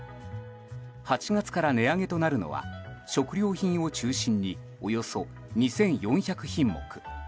８月から値上げとなるのは食料品を中心におよそ２４００品目。